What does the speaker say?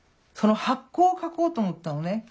その発光を描こうと思ったのね。